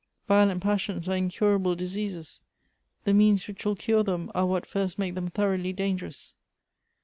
"Violent passions are incurable diseases; the means which will cure them^re what first make them thoroughly dangerous."